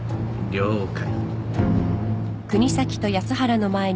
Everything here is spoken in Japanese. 了解。